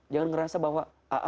jangan merasa bahwa